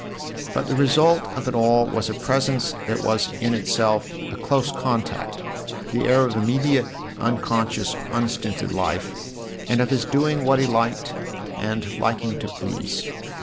But the result of it all was a presence that was in itself a close contact, the air of immediate, unconscious, unstinted life, and of his doing what he liked and liking to please.